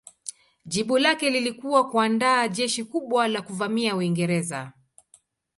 Jibu lake lilikuwa kuandaa jeshi kubwa la kuvamia Uingereza.